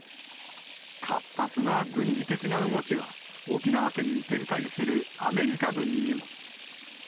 活発な軍事的な動きは、沖縄県に展開するアメリカ軍にも。